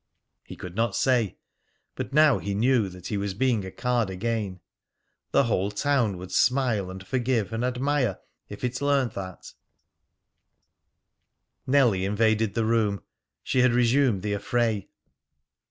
He could not say; but now he knew that he was being a card again. The whole town would smile and forgive and admire if it learnt that Nellie invaded the room. She had resumed the affray.